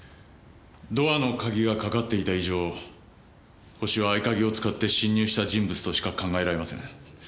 ドアの鍵がかかっていた以上ホシは合鍵を使って侵入した人物としか考えられません。